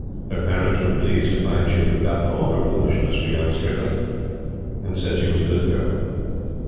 Her parents were pleased to find she had forgotten all her foolishness for young Strickland and said she was a good girl.